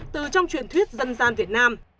từ trong truyền thuyết dân gian việt nam